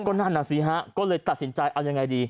ก็นั่นน่ะสิฮะก็เลยตัดสินใจเอายังไงดี